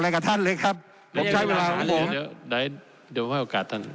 อะไรกับท่านเลยครับผมใช้เวลาเดี๋ยวให้โอกาสท่าน